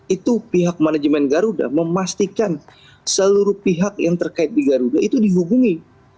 itu pihak manajemen garuda memastikan seluruh pihak yang terkait di garuda itu dihubungi